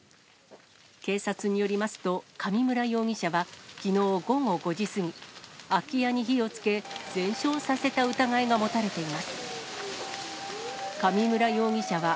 警察によりますと、上村容疑者は、きのう午後５時過ぎ、空き家に火をつけ、全焼させた疑いが持たれています。